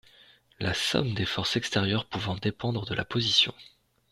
la somme des forces extérieures pouvant dépendre de la position